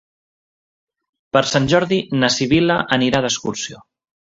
Per Sant Jordi na Sibil·la anirà d'excursió.